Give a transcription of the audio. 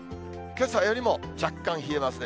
けさよりも若干冷えますね。